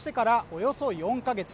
およそ４か月